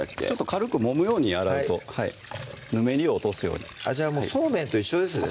軽くもむように洗うとぬめりを落とすようにじゃあそうめんと一緒ですね